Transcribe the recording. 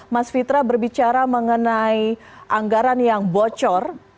mas fitra berbicara mengenai anggaran yang bocor